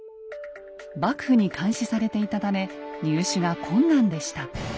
幕府に監視されていたため入手が困難でした。